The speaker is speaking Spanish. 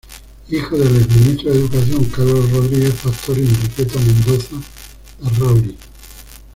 Hijo del ex-ministro de educación Carlos Rodríguez Pastor y Enriqueta Mendoza Larrauri.